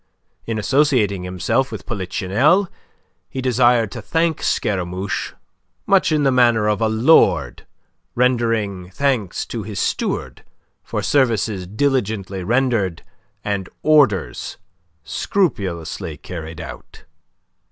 In associating himself with Polichinelle, he desired to thank Scaramouche, much in the manner of a lord rendering thanks to his steward for services diligently rendered and orders scrupulously carried out.